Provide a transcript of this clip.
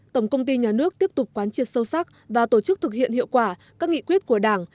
tổng công ty nhà nước tiếp tục quán triệt sâu sắc và tổ chức thực hiện hiệu quả các nghị quyết của đảng